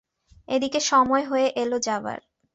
এদিকে সময় হয়ে এল যাবার।